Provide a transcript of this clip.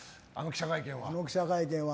あの記者会見は。